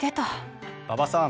馬場さん